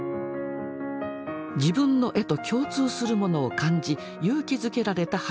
自分の絵と共通するものを感じ勇気づけられた原田さん。